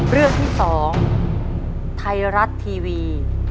เรื่องที่๒ไทยรัฐทีวี